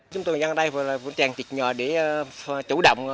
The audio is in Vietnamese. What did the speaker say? chúng tôi đang ở đây với vũ trang tịch nhờ để chủ động